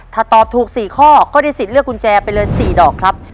ถ้าตอบถูก๔ข้อก็ได้สิทธิ์เลือกกุญแจไปเลย๔ดอกครับ